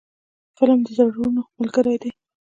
فلم د زړونو ملګری دی